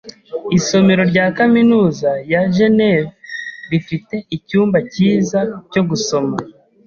Isomero rya kaminuza ya Jeneve rifite icyumba cyiza cyo gusoma.